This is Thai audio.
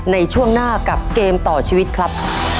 ในช่วงหน้ากับเกมต่อชีวิตครับ